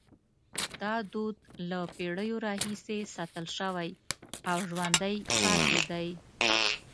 دا دود له پیړیو راهیسې ساتل شوی او ژوندی پاتې دی.